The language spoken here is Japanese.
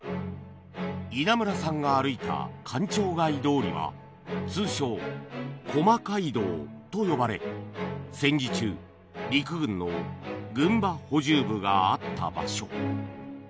稲村さんが歩いた官庁街通りは通称「駒街道」と呼ばれ戦時中陸軍の軍馬補充部があった場所